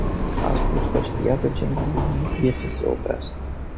A spus că știa că cel mai bine e să se oprească.